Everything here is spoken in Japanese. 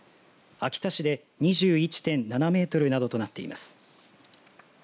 秋田市で２１．７メートルなどとなっています。